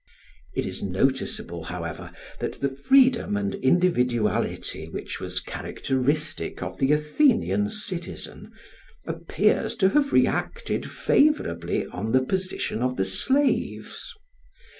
It is noticeable, however, that the freedom and individuality which was characteristic of the Athenian citizen, appears to have reacted favourably on the position of the slaves.